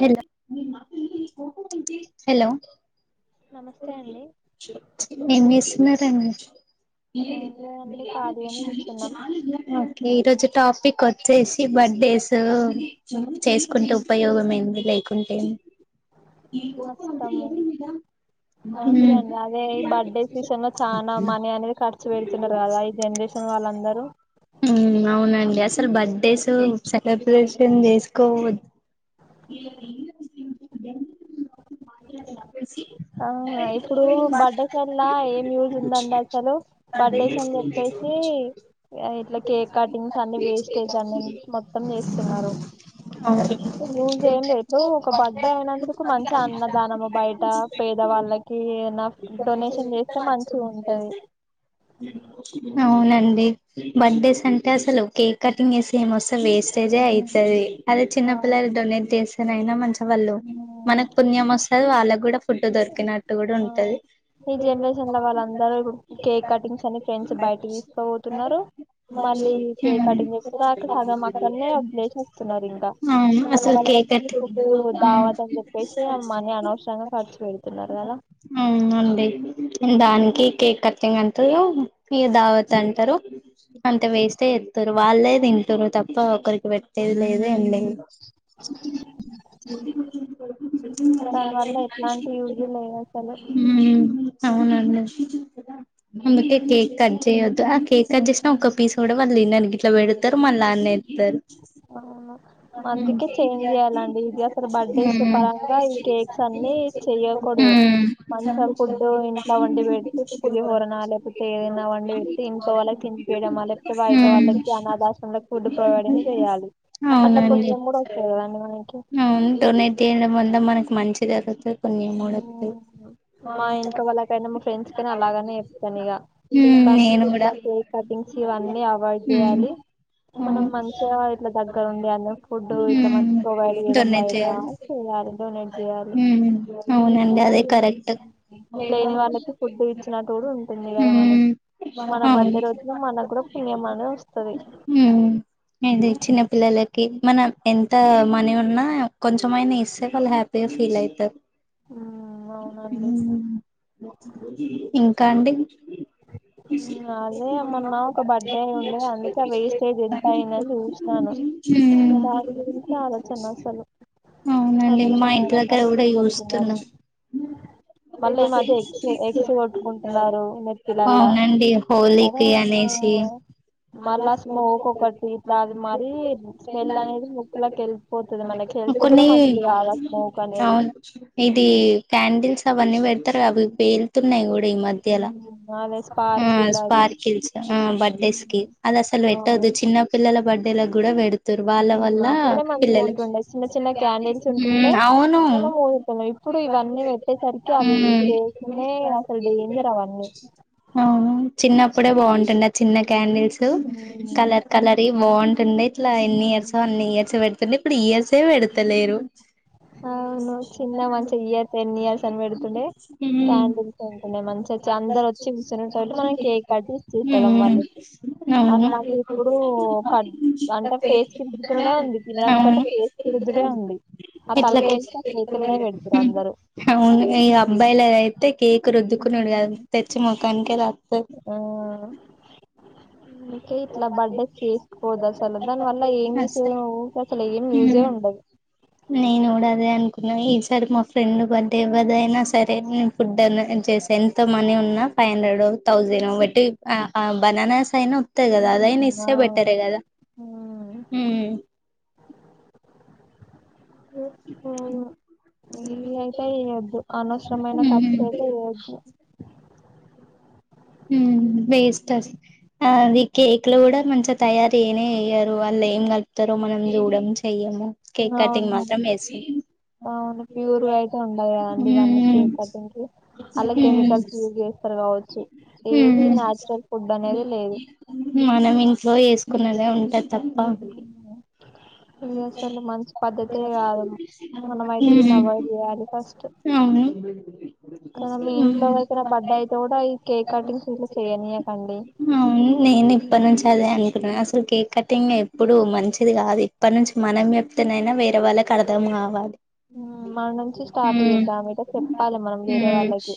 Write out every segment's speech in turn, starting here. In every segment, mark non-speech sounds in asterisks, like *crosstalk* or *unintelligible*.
హెల్ hello నమస్తే అండి ఎన్ని చేస్తున్ననారం ఏం లేదండి ఖాళీగానే కూర్చున్నాం ఓకే రోజు టాపిక్ వచ్చేసి బర్త్డేస్ చేసుకుంటే ఉపయోగమేంది లేకుంటేంది ఈకోప్ప వంట వస్తాము ఎవడు మధ ఓకే అండి అదే ఈ బర్త్డేస్ విషయంలో చాలా మనీ అనేది ఖర్చు పెడుతున్నారు కదా ఈ జనరేషన్ వాళ్ళందరూ హ్మ్మ్ అవునండి అసలు బర్త్డేస్ సెలబ్రేషన్ చేసుకోవచ్ హ్మ్మ్ ఆ ఇప్పుడు బడ్డేసల్లా ఏం యూజ్ ఉందండి అసలు బర్డేస్ అని చెప్పేసి ఇట్లా కేక్ కటింగ్స్ అన్ని వేస్టేజ్ అన్ని మొత్తం చేస్తున్నారు అవ్ సేమ్ రేటు ఒక బర్త్డే అయినందుకు మంచి అన్నదానమ్ బయట పేద వాళ్ళకి ఏనా డొనేషన్ చేస్తే మంచిగ ఉంటది అవునండి బర్త్డేస్ అంటే అసలు కేక్ కటింగ్ ఏ మొస్తది వేస్టేజే అయితది. అదే ఆ చిన్న పిల్లలు డొనేట్ చేస్తేనయినా మంచి వాళ్ళు ఉమ్, మనకు పుణ్యం వస్తుంది వాళ్ళకు కూడా ఫుడ్ దొరికినట్టు కూడా ఆ ఉంటది ఈ జనరేషన్ లో వాళ్ళందరూ ఇప్పు కేక్ కటింగ్స్ అని ఫ్రెండ్స్ బయటకి తీసుకో పోతున్నారు మళ్ళీ కేక్ కటింగ్ చేస్తురు అక్కడ సగం అక్కడ్నేవదిలేసి వస్తున్నారు ఇంకా అవును అసలు మళ్ళళ కేక్ ఈ ఫుడ్ దావత్ అని చెప్పేసి ఆమని అనవసరంగా ఖర్చు పెడుతున్నారు కదా ఆ అండి దానికి కేక్ కటింగ్ అంటరు ఈ దావత్ అంటారు అంతా వేస్ట ఎత్తరు వాళ్ళే తింటారు తప్ప ఒకరికి పెట్టేది లేదు అండి హే మ దాని వల్ల ఎట్లాంటి యూజ్ లేదు అసలు హ్మ్మ్ అవునండి అందుకే కేక్ కట్ చేయొద్దు ఆ కేక్ కట చేసిన ఒక్క పీస్ కూడా వాళ్ళు ఇన్నర్ ఇట్లా పెడతారు మళ్ళీ ఆడ్నే ఇస్తారు అవును హ్మ్మ్ అందుకే *unintelligible* పరంగా ఈ కేక్స్ మ్ అన్ని చెయ్యకూడదు మంచిగా మ్ ఫుడ్ ఇంట్లో వండి పెట్టి పులిహోరన లేకపోతే ఏదైనా వండి పెట్టి ఇంట్లో వాళ్ళకి తినిపియడం అలా బయట వాళ్లకి అన్నదాశ్రమం ఫుడ్ ప్రొవైడింగ్ చేయాలి అట్లా పుణ్యం కూడా వస్తుంది కదండి మనకి అవును డొనేట్ చేయడం వల్ల మనకి మంచి జరుగుతుంది కొన్ని మూడ్ ఉమ్, మా ఇంట్ల వాళ్ళకైన మా ఫ్రెండ్స్ కైనా అలాగనే చెప్తా ఇగా హ్మ్ ఇక నుంచి నేను కూడా ఇట్లా కేక్ కటింగ్స్ ఇవన్నీ అవాయిడ్ హ్మ్ చేయాలి మనం హ్మ్ మంచిగా ఇట్లా దగ్గర ఉండి అన్ని ఫుడ్ ఇట్లా హ్మ్ మంచి ప్రొవైడ్ చేయడం డొనేట్ బయట చేయాలి చేయాలి డొనేట్ చేయాలి హ్మ్ అవునండి అదే అది కరెక్ట్ లేని వాళ్ళకి ఫుడ్ ఇచ్చినటు కూడా ఉంటుంది కదా మనకి హ్మ్ మన అవును బర్త్డే రోజున మన కూడా పుణ్యం అనేది వస్తది ఉమ్ ఇది చిన్న పిల్లలకి మనం ఎంత మనీ ఉన్నా కొంచమైనా ఇస్తే వాళ్ళు హ్యాపీగా ఫీల్ అవుతారు అవునండి ఉమ్ ఇంకా అండి ఇ సి ఉమ్, అదే మొన్న ఒక బర్త్డే ఉండే అందుకే వేస్టేజ్ ఎంత అయింది అని చూస్తానా దాని గురించి చాల అవునండి మా ఇంటి అనవసరమైన దగ్గర కూడా ఖర్చులు చూస్తున్న పెడుతున్నారు మళ్ళీ ఈ మద్య ఎక్స్ ఎక్స్ కొట్టుకుంటున్నారు నెత్తిలల్లా అండి కదా హలీకి ఆ అనేసి మళ్ళా స్మోక్ ఒకటి ఇట్లా దాన్ని అది మరి స్మెల్ అనేది ముక్కులోకి వెళ్తే కొన్ని స్మోక్ అనేది రావచ్చు ఇది క్యాండిల్స్ అవన్నీ పెడతారుగా కదా అవి పేలుతున్నాయి కూడా ఈ మధ్యలా ఉమ్, అదే ఉమ్ స్పార్కిల్ అవి స్పార్కిల్స్ ఆ బర్డేస్కి ఉమ్, అది అసలు పెట్టొదు అవును. చిన్న పిల్లల బర్డేలకు కూడా పేడుతురు వాళ్ళ ఉమ్, వల్ల అప్పుడే మంచిగా పిల్లలు ఉంటుండే చిన్న చిన్న క్యాండిల్స్ ఉంటుండే ఉమ్ అవును మనం ఊదుతున్నం ఇప్పుడు ఇవన్నీ పెడుతున్నారు పెట్టేసరికి అవి పేలుతూనే అసలు డేంజర్ అవన్ని అవునా చిన్నప్పుడే బాగుంటుండె ఆ చిన్న క్యాండిల్స్ ఉమ్, కలర్ కలర్ వి బాగుంట కొన్నిట్ల ఎన్ని ఉమ్. ఇయర్స్ అన్ని ఇయర్స్ పెడుతుండే ఇప్పుడు ఇయర్స్ ఏ పెడతలేరు అవును చిన్న మంచిగా ఇయర్ టెన్ ఇయర్స్ అని పెడుతుండే ఉమ్ క్యాండిల్స్ ఉంటుండే మంచి అందరు వచ్చి కూచునేటోళ్ళు మనం కేక్ కట్ ఇచ్చేటోలం ఉమ్ వాళ్ళకి అట్లాంటిప్పుడు ఇట్లా కట్ అంటే పేస్కిపుకునుడే ఉంది తినడం కంటే ఫేస్కుకు రుద్దుడే ఉంది ఆ ఇట్లా కి తలకేసి ఆ ఉమ్ కేకులనే పెడుతురు అందరూ అవును ఈ అబ్బాయిలదైతే కేకు రుద్దుకునుడె కాదు తెచ్చి మొకానికే రాస్తారు ఆ *inaudible* అందుకే ఇట్లా బర్డే చేసుకొవదు అసలు దాని వల్ల ఏం యూస్ అసలు ఏం యూజే ఉండదు నేను కూడా అదే అనుకున్నా ఈసారి మా ఫ్రెండ్ బర్త్డే ఎవరదైనా సరే ఫుడ్ అనో చేసే ఎంత మనీ ఉన్నా ఫైవ్ హండ్రెడ్ థౌసండ్ ఓ బట్టి బనానాస్ అయినా అంతే కదా అదైన ఉమ్, ఇస్తే అవును. బెటర్ ఎ కదా ఉమ్. ఉమ్ *inaudible* ఉమ్ ఇవి అయితే ఇయొద్దు అనవసరమైన ఖర్చు అయితే వద్దు ఉమ్ బెస్ట్ రస్ ఆ అది కేక్ లో కూడా మంచిగ తయరు చేయనే చెయ్యరు ఆళ్ల ఏం కలుపుతారో ఇద్దరు మనం చూడం చెయ్యము కేక్ కటింగ్ అవును మాత్రం వేస్తాం అవును ప్యూర్ గా అయితే ఉండవు కదండి ఇవన్నీ ఉమ్, కేక్ కటింగ్ కి అలా ఉమ్, కెమికల్స్ యూజ్ చేస్ కావచ్చు ఏది ఉమ్. నాచురల్ ఫుడ్ అనేది లేదు మనం ఇంట్లో యేసుకున్నదే ఉంటది తప్ప ఉమ్. ఇది ఊ అసలు మంచి పద్ధతే హు కాదు మనమయితే దీన్ని అవాయిడ్ చేయాలి ఫస్ట్ అవును కానీ హు మీ ఇంట్లో ఎవరికైనా బర్త్డే అయితే కూడా ఈ కేక్ కటింగ్స్ ఇట్లా చేయనీయకండి అవును నేను ఇప్పటి నుంచి అదే అనుకుంటున్నాను అసలు కేక్ కటింగ్ ఎప్పుడు మంచిది కాదు ఇప్పటి నుంచి మనం చెప్తేనైనా వేరే వాళ్ళకి అర్థం కావాలి మన నుంచి స్టార్ట్ ఉమ్ చేద్దాం ఇక చెప్పాలి మనం వేరే ఉమ్ వాళ్ళకి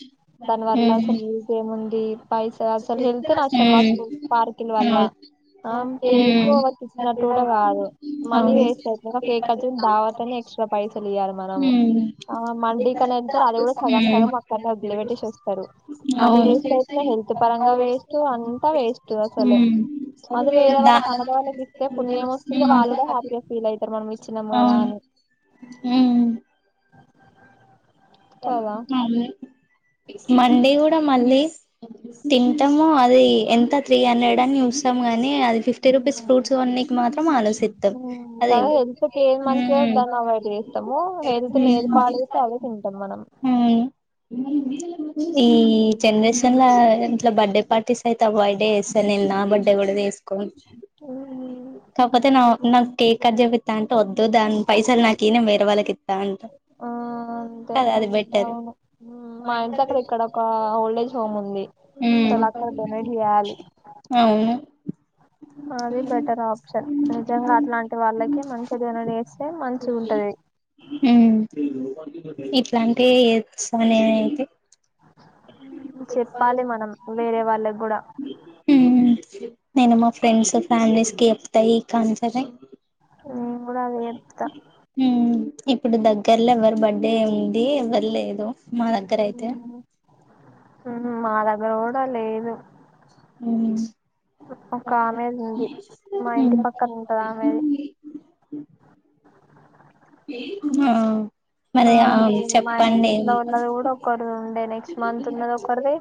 దానివల్ల ఉమ్ అసలు ఏముంది పైసా అసలు హెల్త్ నష్టం మా స్కూల్ పార్కింగ్ వల్ల ఆ కేక్ ఒకరికి కూడా రాదు మనీ వేస్ట్ అవుతుంది కేక్ కటింగ్ దావతనే ఎక్స్ గా పైసలి ఇయ్యాల మనము ఆ మండి కని వెళ్తారు అది కూడా సగం సగం అక్కడనే వదిలి పెట్టేసి వస్తారు మనీ వేస్ట్ అవుతుందని *unintelligible* పరంగా వేస్ట్ అంతా వేస్ట్ అసలు అది వేరే దా వాళ్ళ అనాధ వాళ్ళకి అయితే పుణ్యం వస్తుంది వాళ్ళు కూడా హ్యాపీగా ఫీల్ అవుతారు మనం ఇచ్చినం కదా అని అవునా కదా అవును మండే కూడా మళ్ళీస్ తింటము అది ఎంత త్రీ హండ్రెడ్ అని చూస్తాం గానీ అది ఫిఫ్టీ రూపీస్ ఫ్రూట్స్ ఉమ్. కొనేకి మాత్రం ఆలోసిత్తం ఉమ్, కదా అదేందో హెల్త్ ఏది మంచిదో దాన్ని అవాయిడ్ చేస్తాము హెల్త్ ని ఏది పాడు చేస్తే అవే తింటాము మనం ఈ జనరేషన్ల ఇంట్లో బడ్డే పార్టీస్ అయి బర్త్డే చేస్తాను నా బర్త్డే కూడా చేసుకోవచ్చు ఉ ఊ కాకపోతే నా నాకు కేక్ కట్ చెపిస్తా అంటే వద్దు దాని పైసలు నాకు ఇయ్యి నేను వేరే వాళ్ళకి ఇస్తా అంట *inaudible* ఆ అంతే కదా అది బెటర్ అవును మా ఇంటి అక్కడ ఇక్కడ ఒక ఓల్డేజ్ హోమ్ ఉంది. ఉ అసలు అక్కడ డొనేట్ చేయాలి అవును అది బెటర్ ఆప్షన్ నిజంగా అట్లాంటి వాళ్ళకి మంచిదిన చేస్తే మంచి ఉంటది ఉ ఇట్లాంటి యేస్తానేతి చెప్పాలి మనం వేరే వాళ్ళకి కూడా హ్మ్ నేను మా ఫ్రెండ్స్ ఫ్యామిలీస్ కి చెప్తా ఇకనుంచి కూడా నేను ఇండియా కూడా అదే గేటు చెప్తా *unintelligible* ఉ ఇప్పుడు దగ్గర్లో ఎవరు బర్త్డే ఉంది ఎవరు లేదు మా దగ్గర అయితే ఉ మా దగ్గర కూడా లేదు ఉ ఒక ఆమెది ఉంది మా ఇంటి ఉమ్ పక్కన ఉంటది ఆమెది ఆ ఆ, మరి ఆమెకు చెప్పండి ఒకరి ఉండే నెక్స్ట్ మంత్ ఉన్నది ఒకరిది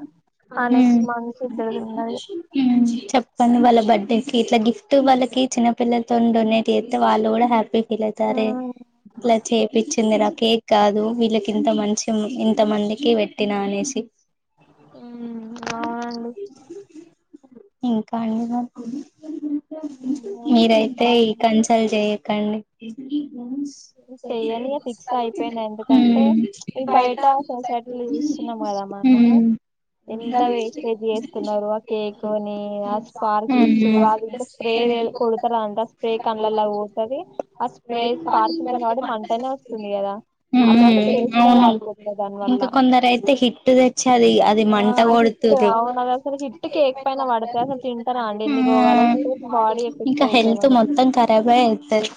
ఆ నెక్స్ట్ మంత్ ఇద్దరిదీ ఉన్నది హ్మ్ చెప్పండి వాళ్ళ బర్త్డేకి ఇట్లా గిఫ్ట్ వాళ్ళకి చిన్నపిల్లలతో డొనేట్ చేస్తే వాళ్ళు కూడా హ్యాపీ ఫీలైతారే ఉన్నది ఇట్లా చేపిచ్చి మరా కేక్ కాదు వీళ్ళకి ఇంత మంచి ఇంత మందికి పెట్టినా అనేసి ఉ బావుండు ఇంకా అండి మీరైతే ఈ చెప్పాలి కన్సల్ట్ చెయకండి ఎందుకు ఈ బౌల్స్ చెయ్యని ఫిక్స్ అయిపోయినా ఎందుకంటే ఉమ్ ఈ బయట సొసైటీలో చూస్తున్నాం కదా మనము ఎంత వేస్టేజ్ చేస్తున్నరు ఆ కేకునీ, ఆ ఉమ్ స్పార్కిల్స్ అవి స్ప్రే కొడతరంట స్ప్రే కన్లల్లకి పోతది, ఆ స్ప్రే స్పార్క్ ఉమ్ అప్పుడప్పుడు ఫేస్ లో అవును కాలిపోతుంది దాని వల్ల ఇంకా కొందరు అయితే హిట్ తెచ్చి అది, అది ఆ మంట హిట్ కొడుతుర్రు అవును అది అసలు హిట్ కేక్ పైన పడతాయి అసలు తింటారా అండి ఎన్ని రోగాలు ఉమ్ వస్తే బాడీ ఎఫెక్ట్ ఇంకా అయితాయి హెల్త్ మనకి మొత్తం ఖరాబ్ అయి తది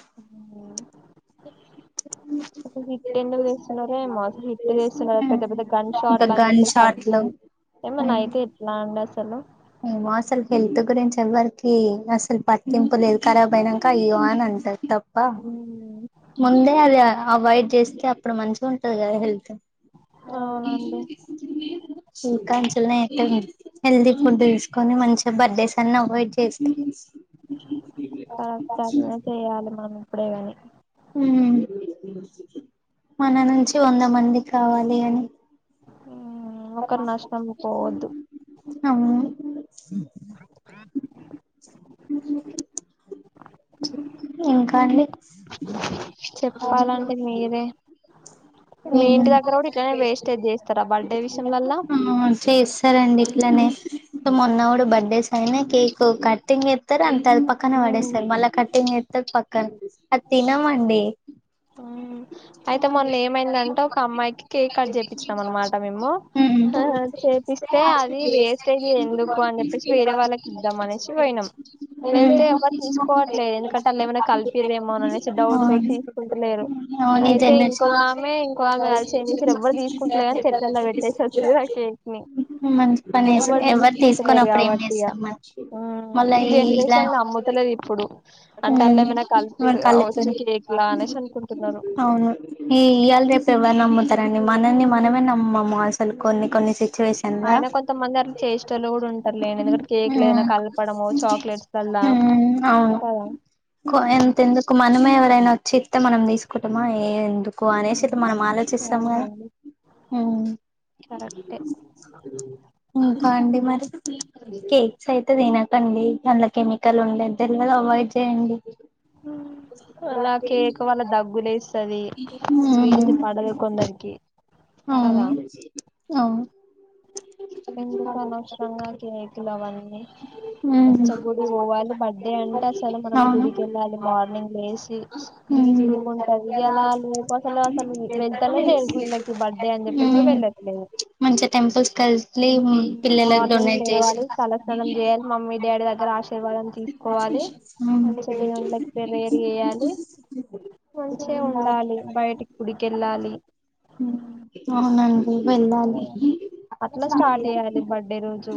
హిట్ ఎందుకు తెస్తున్నరో ఏమో హిట్ తెస్తున్నర్. పెద్ద పెద్ద గన్ ఇంకా షాట్లని గన్ చెప్పేసి అవి, షాట్లు ఏమన్నా అయితే ఎట్లా అండి అసలు? ఏమో అసలు హెల్త్ గురించి ఎవ్వరికి అసలు పట్టింపు లేదు, ఖరాబ్ అయినంక అయ్యో అని అంటరు, తప్ ప్ప ఉమ్, ముందే అది అవాయిడ్ చేస్తే అప్పుడు మంచిగ ఉంటది కదా హెల్త్. అవునండి ఇంకా చుల్నైతే హెల్ది కొంటె తీసుకొని మంచిగా బర్త్డేస్ అన్ని అవాయిడ్ చేస్ కరెక్ట్ టైం లనే చెయ్యాలె మనం ఎప్పుడే గని. ఉమ్ మన నుంచి వంద మంది కావాలి అని. ఒకర్ నష్టము పోవద్దు. అవును ఇంకా అండి ఇ చెప్పాలండి మీరే, ఆ మీ ఇంటి దగ్గర గుడ ఇట్లనే వేస్టెజ్ చేస్తరా బడ్ ఆ చేస్ తరండి ఇట్లనే, తో మొన్న గుడ బర్త్డేస్ అయినై, కేక్ కటింగ్ స్తారు అంతే అది పక్కన ఉమ్, పడేస్తరు, మళ్ళా కట్టింగ్ చేత్తరు పక్కన్ అది తినమండి ఉమ్. అయితే ఉమ్ మొన్న కేస్త్ ఏమైందంటే ఒక అమ్మాయికి కేక్ కట్ చేపించినాం అనమాట మేము ఆ, చేపిస్తే అది వేస్టేజ్ ఎందుకు అని చెప్పేసి వేరే వాళ్ళకి ఇద్దాం అనేసి పోయినాం వెళ్తే ఎవరు తీసుకోవట్లేదు ఎందుకంటే అళ్ళు ఏమైనా ఉమ్ హాయ్ ఉంటలేరు అయితే ఇంకో ఆమె ఇంకో ఆమె కలిసి ఏం చేసిర్రు, ఎవ్వరు తీసుకుంట్లేరని చెట్లల్లా పెట్టేసి అచ్చిర్రు ఆ కేక్. నీ మంచి పని చేసారు ఎవ్వరు ఎవరు తీసుకొని తీసుకుంటలేరు అప్పుడు ఏం కాబట్టిగా, చేస్తాం మరి ఉమ్ మళ్ళా ఈ ఇలా జనరేషన్ నమ్ము లేరిప్పుడు అంటే అల్లా ఏమైనా మన కలిపిర్రు కావచ్చు కళ్ళెత్తది కేక్ లా అనేసి అనుకుంటున్నరు. అవును, ఈ ఇవాళ రేపు ఎవరు నమ్ముతరండి మనల్ని మనమే నమ్మము అసలు కొన్ని కొన్ని సి ఆయన కొంతమంది అట్ల చేశెటోళ్లు గుడ ఉంటారులేండి, ఎందుకంటే కేక్ల మ్మ్ ఏదైన్న కలపడమో, చాక్లెట్స్ లల్ల కద కో ఎంత ఎందుకు మనమే ఎవరైనా ఒచ్చి ఇత్తే మనం తీ కుంటమా ఏ ఎందుకు అనేసి ఇట్ల మనం ఉమ్, ఆలోచిస్తము కదా, ఉమ్ కరెక్టె ఇంకా అండి మరి కేక్స్ అయితే తినకండి, అన్ల కెమికల్ ఉండేది తెలువది, అవాయిడ్ చేయండి. అలా కేక్ వల్ల దగ్గులేస్తది స్వీట్ ఉమ్ పడదు కొందరికి కదా అవును అవు ఎందుకు అనవస్రంగా కేకులు అవన్నీ ఉమ్ మంచిగ గుడి పోవాలి బర్డే అంటే అసలు మనం గుడికెళ్ళాలి మార్నింగ్ లేసి ఉం పీస్ఫుల్ గా ఉంటది ఇయ్యాల రేపు అసలు అసలు వెళ్తానే లేరు గుళ్ళకి బర్త్డే అని చెప్పేసి ఉం కూడా వెళ్ళట్లేదు మంచిగ టెంపుల్స్ కె మార్నింగ్ లేవాలి తలస్నానం చేయాలి మమ్మీ డాడీ దగ్గర ఆశీర్వాదం తీస్కోవాలి మంచిగ దేవున్ దగ్గర ప్రేయర్ చేయాలి మంచిగ ఉమ్ ఉండాలి బయటికి గుడికెళ్ళాలి అవునండి *inaudible* కదా అట్లా స్టార్ట్ చేయాలి బర్త్డే రోజు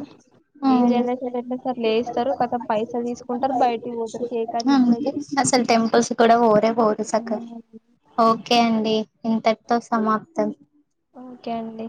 ఈ జనరేషన్ ఎట్లుంటరు లేస్తరు కతం పైసల్ తీస్కుంటరు బయిటికి పోతరు కేక్ అసల్ టెంపుల్స్ కూడ పోదే పోదు సక్కగ ఓకే అండి ఇంతటితో సమాప్తం ఓకే అండి